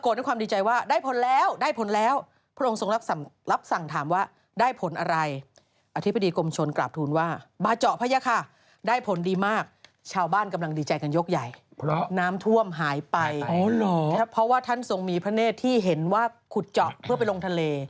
น้ำท่วมหายไปครับเพราะว่าท่านทรงหมีพระเนธที่เห็นว่าขุดเจาะเพื่อไปลงทะเล